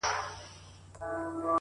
• پرېږده جهاني د ځوانیمرګو د محفل کیسه ,